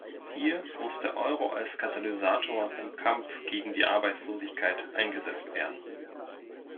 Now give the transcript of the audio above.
Hier muss der Euro als Katalysator im Kampf gegen die Arbeitslosigkeit eingesetzt werden.